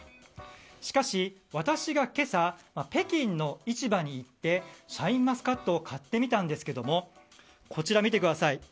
しかし、私が今朝北京の市場に行ってシャインマスカットを買ってみたんですけどもこちら見てください。